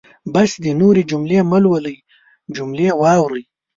بس دی نورې جملې مهلولئ جملې واورئ.